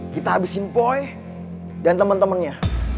kita habisin poi dan temen temennya